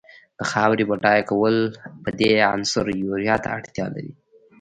د خاورې بډای کول په دې عنصر یوریا ته اړتیا لري.